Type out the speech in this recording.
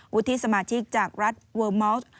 วุฒิสมาชิกจากรัฐเวิร์มอลต์